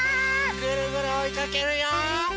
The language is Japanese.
ぐるぐるおいかけるよ！